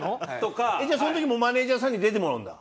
じゃあその時もマネージャーさんに出てもらうんだ。